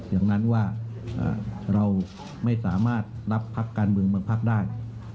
อย่างนั้นว่าเราไม่สามารถนับพักการเมืองบางพักได้